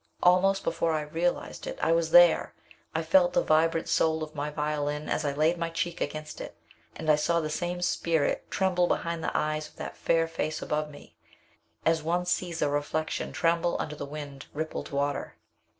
Almost before I realized it, I was there. I felt the vibrant soul of my violin as I laid my cheek against it, and I saw the same spirit tremble behind the eyes of the fair face above me, as one sees a reflection tremble under the wind rippled water.